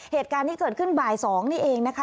เหตุการณ์ที่เกิดขึ้นบ่าย๒นี่เองนะคะ